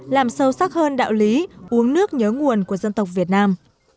làm sâu sắc hơn đạo lý uống nước nhớ nguồn của dân tộc việt nam